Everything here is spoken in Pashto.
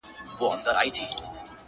پرېږده چي موږ په دې تیارو کي رڼا ولټوو٫